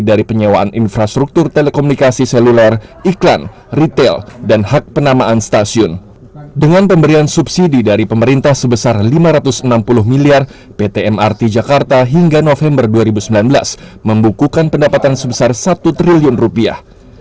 dengan pemberian subsidi dari pemerintah sebesar lima ratus enam puluh miliar pt mrt jakarta hingga november dua ribu sembilan belas membukukan pendapatan sebesar satu triliun rupiah